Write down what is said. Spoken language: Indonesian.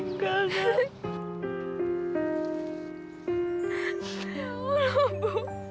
sekarang mereka pun tahu